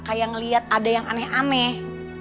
kayak ngeliat ada yang aneh aneh